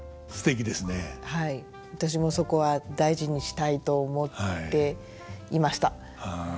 私もそこは大事にしたいと思っていました。